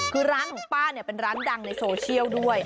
คือร้านของป้าเนี่ยเป็นร้านดังในโซเชียลด้วย